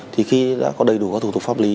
thì khi đã có đầy đủ các thủ tục pháp lý